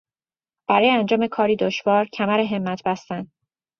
برای انجام کاری دشوار کمرهمت بستن